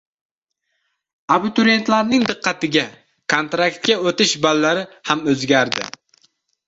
Abiturientlar diqqatiga: kontraktga o‘tish ballari ham o‘zgardi